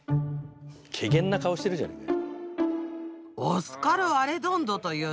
けげんな顔してるじゃねえかよ。